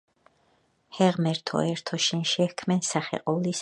ჰე, ღმერთო ერთო, შენ შეჰქმენ სახე ყოვლისა ტანისა,